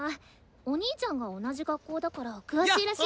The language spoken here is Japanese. お兄ちゃんが同じ学校だから詳しいらしい。